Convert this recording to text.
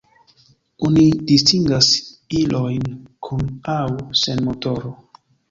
Oni distingas ilojn kun aŭ sen motoro.